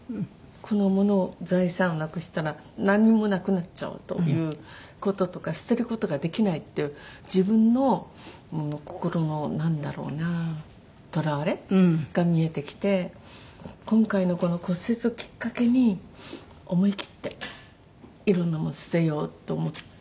この物を財産をなくしたらなんにもなくなっちゃうという事とか捨てる事ができないっていう自分の心のなんだろうなとらわれが見えてきて今回のこの骨折をきっかけに思い切っていろんな物捨てようと思ったんですね。